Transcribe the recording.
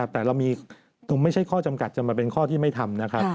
แต่เรามีไม่ใช่ข้อจำกัดจะมาเป็นข้อที่ไม่ทำนะครับ